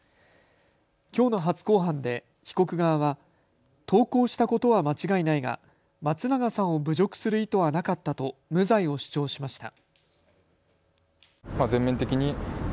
きょうの初公判で被告側は投稿したことは間違いないが松永さんを侮辱する意図はなかったと無罪を主張しました。